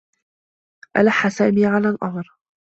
ألحّ سامي على الأمر.